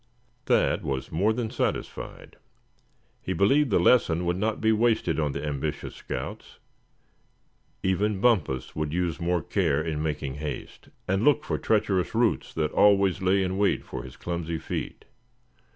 Thad was more than satisfied. He believed the lesson would not be wasted on the ambitious scouts. Even Bumpus would use more care in making haste, and look for treacherous roots that always lay in wait for his clumsy feet.